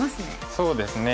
そうですね。